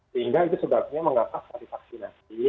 sehingga itu sebabnya mengatasi vaksinasi